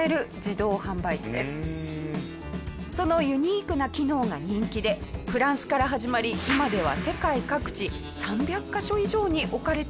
そのユニークな機能が人気でフランスから始まり今では世界各地３００カ所以上に置かれているそうなんですが。